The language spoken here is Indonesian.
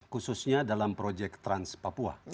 khususnya dalam proyek trans papua